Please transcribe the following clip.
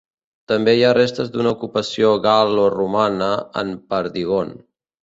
També hi ha restes d'una ocupació gal·loromana en Pardigon.